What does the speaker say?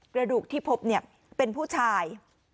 กระดูกที่พบเนี่ยเป็นผู้ชาย